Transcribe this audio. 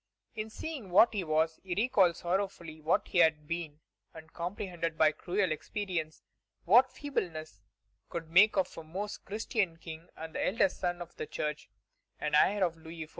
In seeing what he was, he recalled sorrowfully what he had been, and comprehended by cruel experience what feebleness could make of a Most Christian King and eldest son of the Church, an heir of Louis XIV.